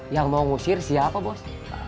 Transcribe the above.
yang mau ngusir siapa bos